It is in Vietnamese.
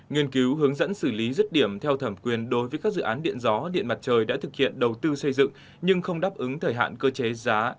nghiên cứu hướng dẫn xử lý rứt điểm theo thẩm quyền đối với các dự án điện gió điện mặt trời đã thực hiện đầu tư xây dựng nhưng không đáp ứng thời hạn cơ chế giá